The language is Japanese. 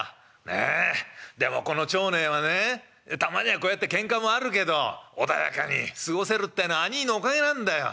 ねえでもこの町内はねたまにはこうやってけんかもあるけど穏やかに過ごせるってえのは兄ぃのおかげなんだよ。